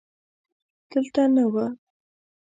دلته نه و.